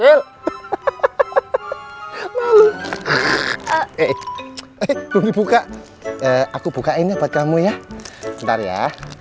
eh belum dibuka aku buka ini buat kamu ya ntar ya